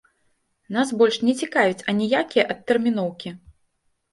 Нас больш не цікавяць аніякія адтэрміноўкі!